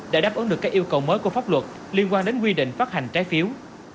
đã đáp ứng được các yêu cầu mới của pháp luật liên quan đến quy định phát hành trái phiếu